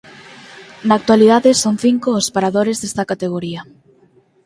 Na actualidade son cinco os Paradores desta categoría.